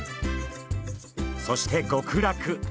そして「極楽」。